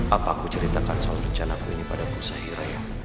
apa aku ceritakan soal rencanaku ini pada bu sahiraya